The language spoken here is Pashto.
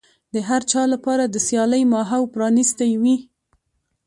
د هر چا لپاره د سيالۍ ماحول پرانيستی وي.